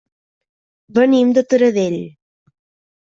Venim de Taradell.